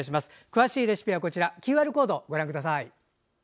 詳しいレシピはＱＲコードをご覧ください。